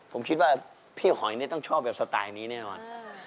ผมคิดว่าพี่หอยต้องชอบแบบสไตล์นี้แน่นอน